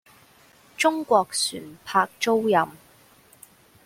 中國船舶租賃